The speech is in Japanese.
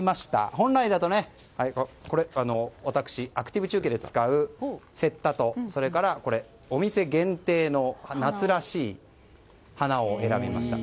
本来だと、アクティブ中継で使う雪駄と、それからお店限定の夏らしい鼻緒を選びました。